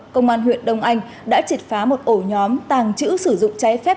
công an huyện đông anh đã trịt phá một ổ nhóm tàng trữ sử dụng cháy phép